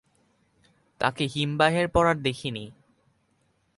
তাকে হিমবাহের পর আর দেখিনি।